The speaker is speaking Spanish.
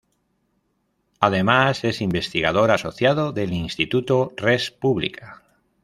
Además es investigador asociado del Instituto Res Publica.